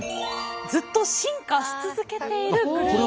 ずっと「進化」し続けているグループ。